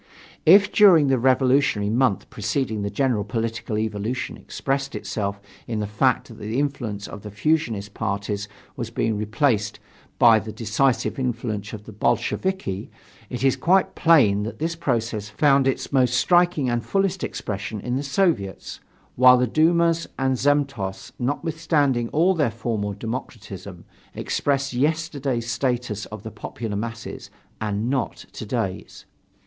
If during the revolutionary month preceding the general political evolution expressed itself in the fact that the influence of the fusionist parties was being replaced by a decisive influence of the Bolsheviki, it is quite plain that this process found its most striking and fullest expression in the Soviets, while the dumas and zemstvos, notwithstanding all their formal democratism, expressed yesterday's status of the popular masses and not to day's.